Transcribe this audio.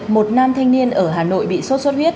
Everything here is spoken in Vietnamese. một nam thanh niên ở hà nội bị sốt xuất huyết